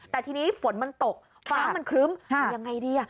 แต่ทีนี้ฝนมันตกฟ้ามันครึ้มยังไงดี